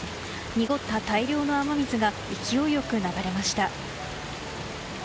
濁った大量の雨水が勢いよく流れました。